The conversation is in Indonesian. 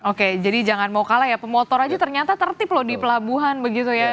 oke jadi jangan mau kalah ya pemotor aja ternyata tertib loh di pelabuhan begitu ya